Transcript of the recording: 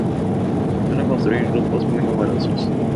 Suelen constituir grupos muy numerosos.